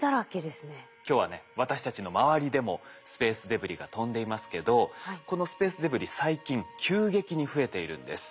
今日はね私たちの周りでもスペースデブリが飛んでいますけどこのスペースデブリ最近急激に増えているんです。